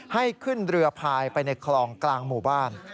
ให้ขึ้นเรือพายไปในคลองกลางหมู่บ้าน